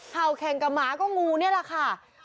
เข่าแข่งกับหมาก็งูเนี่ยล่ะค่ะ